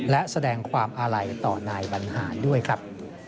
และแสดงความอาลัยต่อนายบรรหารด้วยครับ